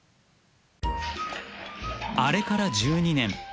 ［あれから１２年］